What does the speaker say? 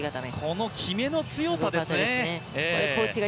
この決めの強さですね。